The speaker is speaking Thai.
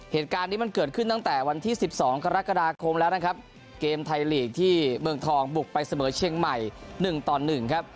เหตุการณ์นี้มันเกิดขึ้นตั้งแต่วันที่สิบสองกรกฎาคมแล้วนะครับเกมไทยลีกที่เมืองทองบุกไปเสมอเชียงใหม่หนึ่งต่อหนึ่งครับ